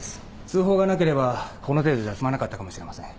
通報がなければこの程度じゃ済まなかったかもしれません。